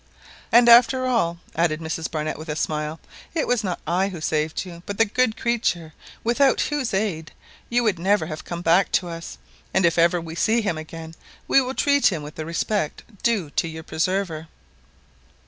"And after all," added Mrs Barnett with a smile, "it was not I who saved you, but the good creature without whose aid you would never have come back to us, and if ever we see him again we will treat him with the respect due to your preserver."